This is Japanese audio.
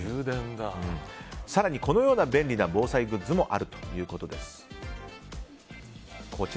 更にこのような便利な防災グッズもあるということです。